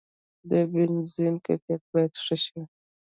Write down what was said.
د بنزین کیفیت باید ښه شي.